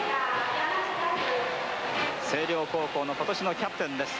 星稜高校の今年のキャプテンです。